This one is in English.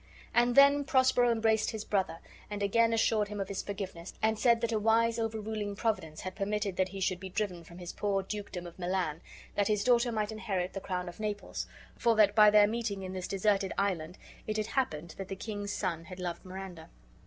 And then Prospero embraced his brother, and again assured him of his forgiveness; and said that a wise overruling Providence had permitted that he should be driven from his poor dukedom of Milan, that his daughter might inherit the crown of Naples, for that by their meeting in this desert island it had happened that the king's son had loved Miranda.